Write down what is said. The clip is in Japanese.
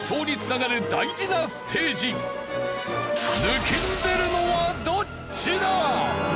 抜きん出るのはどっちだ！？